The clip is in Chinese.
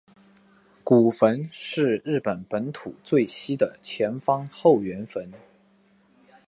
古坟是日本本土最西的前方后圆坟。